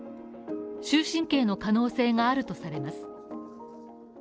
終身刑の可能性があるとされます。